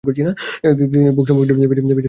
তিনি ভোগ সম্ভোগ নিয়ে বেশি কবিতা লিখতেন।